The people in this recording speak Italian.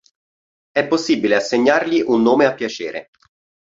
È possibile assegnargli un nome a piacere.